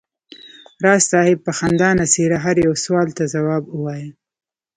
راز صاحب په خندانه څېره هر یو سوال ته ځواب وایه.